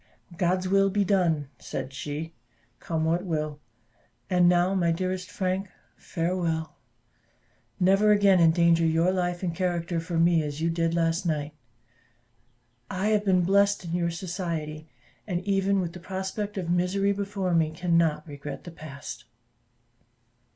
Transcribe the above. "God's will be done," said she, "come what will. And now, my dearest Frank, farewell never again endanger your life and character for me as you did last night. I have been blest in your society, and even with the prospect of misery before me, cannot regret the past."